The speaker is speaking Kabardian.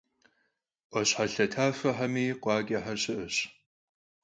'Uaşhalhe tafexemi khuaç'exer şı'eş.